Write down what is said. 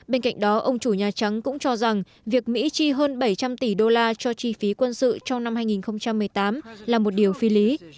bên cạnh đó ông chủ nhà trắng cũng cho rằng việc mỹ chi hơn bảy trăm linh tỷ đô la cho chi phí quân sự trong năm hai nghìn một mươi tám là một điều phi lý